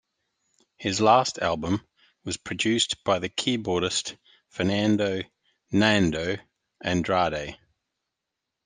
His last album was produced by the keyboardist Fernando "Nando" Andrade.